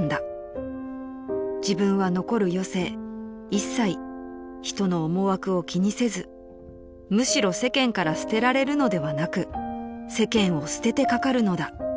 ［「自分は残る余生一切人の思惑を気にせずむしろ世間から捨てられるのではなく世間を捨ててかかるのだ」］